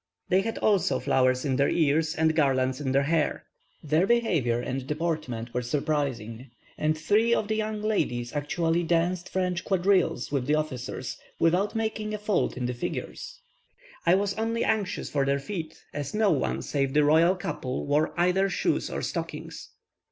They had also flowers in their ears, and garlands in their hair. Their behaviour and deportment were surprising, and three of the young ladies actually danced French quadrilles with the officers, without making a fault in the figures. I was only anxious for their feet, as no one, save the royal couple, wore either shoes or stockings.